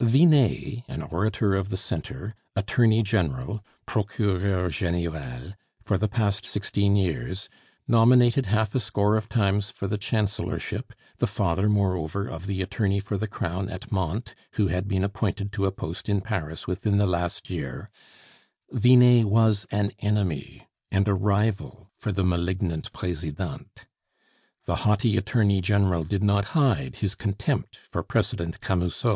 Vinet, an orator of the Centre, attorney general (procureur general) for the past sixteen years, nominated half a score of times for the chancellorship, the father, moreover, of the attorney for the crown at Mantes who had been appointed to a post in Paris within the last year Vinet was an enemy and a rival for the malignant Presidente. The haughty attorney general did not hide his contempt for President Camusot.